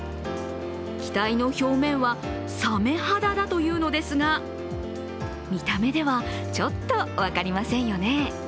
機体の表面は、サメ肌だというのですが、見た目ではちょっと分かりませんよね。